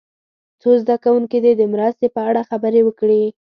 څو زده کوونکي دې د مرستې په اړه خبرې وکړي.